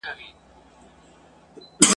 انګرېزی لښکر تېښته کوي.